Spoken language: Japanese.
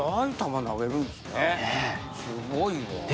すごいわ。